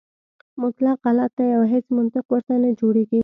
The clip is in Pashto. مطلق غلط دی او هیڅ منطق ورته نه جوړېږي.